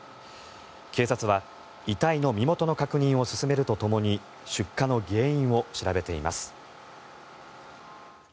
警察は遺体の身元の確認を進めるとともに出火の原因を調べています。